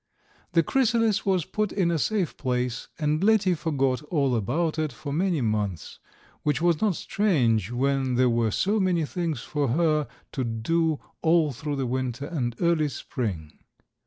The chrysalis was put in a safe place and Letty forgot all about it for many months, which was not strange when there were so many things for her to do all through the winter and early spring.